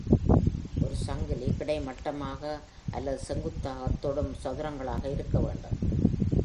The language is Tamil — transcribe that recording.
ஒரு சங்கிலி கிடைமட்டமாக அல்லது செங்குத்தாக தொடும் சதுரங்களாக இருக்க வேண்டும்.